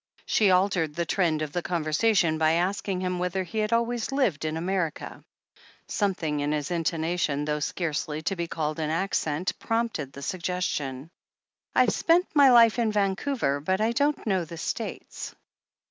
She altered the trend of the conversation by asking him whether he had always lived in America. Some thing in his intonation, though scarcely to be called an accent, prompted the suggestion. "I've spent my life in Vancouver, but I don't know the States."